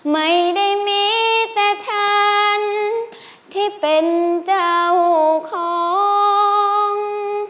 ไม่ได้มีแต่ฉันที่เป็นเจ้าของ